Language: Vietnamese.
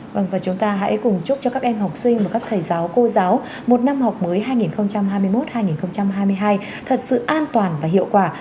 vâng và chúng ta hãy cùng chúc cho các em học sinh và các thầy giáo cô giáo một năm học mới hai nghìn hai mươi một hai nghìn hai mươi hai thật sự an toàn và hiệu quả